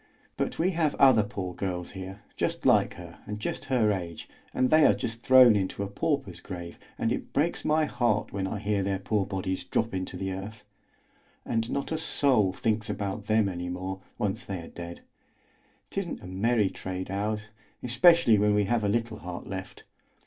But we have other poor girls here, just like her and just her age, and they are just thrown into a pauper's grave, and it breaks my heart when I hear their poor bodies drop into the earth. And not a soul thinks about them any more, once they are dead! 'Tisn't a merry trade, ours, especially when we have a little heart left.